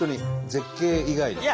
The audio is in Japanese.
絶景以外の。